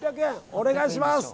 お願いします！